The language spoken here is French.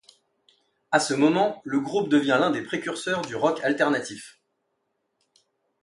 À ce moment, le groupe devient l'un des précurseurs du rock alternatif.